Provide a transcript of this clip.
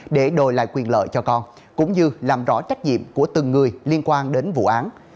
để đổi lại quyền lợi cho con cũng như làm rõ trách nhiệm của từng người liên quan đến vụ án